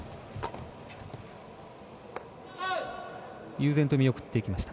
悠然と見送っていきました。